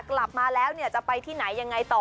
กลับมาแล้วจะไปที่ไหนยังไงต่อ